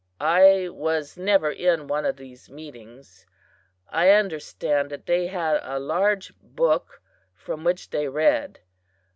I was never in one of these meetings. I understand that they had a large book from which they read.